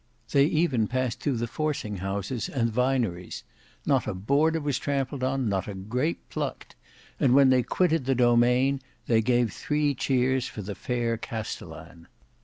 They even passed through the forcing houses and vineries. Not a border was trampled on, not a grape plucked; and when they quitted the domain, they gave three cheers for the fair castellan.